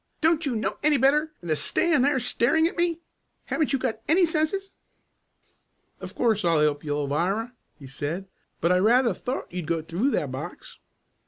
Don't you know any better than to stand there staring at me? Haven't you got any senses?" "Of course I'll help you, Alvirah," he said. "I rather thought you'd go through that box."